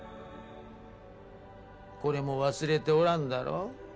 これも忘れておらんだろ？